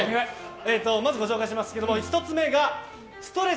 まず、ご紹介しますけれども１つ目がストレス